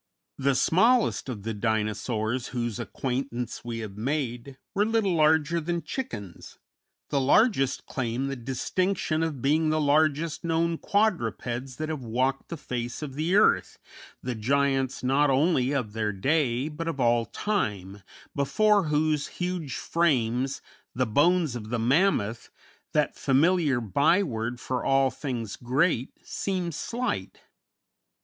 The smallest of the Dinosaurs whose acquaintance we have made were little larger than chickens; the largest claim the distinction of being the largest known quadrupeds that have walked the face of the earth, the giants not only of their day, but of all time, before whose huge frames the bones of the Mammoth, that familiar byword for all things great, seem slight.